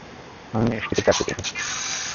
আমি মিনিসট্রিতে চাকরি করি।